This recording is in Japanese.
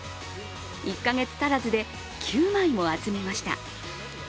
１か月足らずで９枚も集めました。